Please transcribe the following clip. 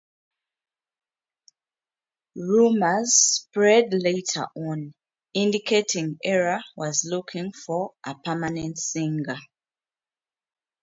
Rumors spread later on, indicating Error was looking for a permanent singer.